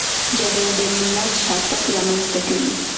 جګړه د ملت شاتګ رامنځته کوي.